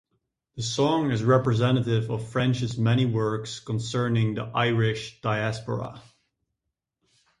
The song is representative of French's many works concerning the Irish diaspora.